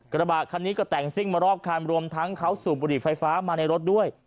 กระบะคันนี้ก็แต่งซิ่งมารอบคันรวมทั้งเขาสูบบุหรี่ไฟฟ้ามาในรถด้วย